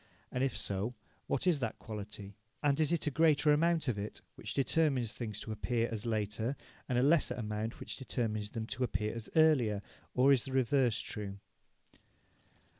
And, if so, what is that quality, and is it a greater amount of it which determines things to appear as later, and a lesser amount which determines them to appear as earlier, or is the reverse true?